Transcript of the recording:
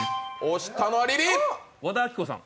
和田アキ子さん。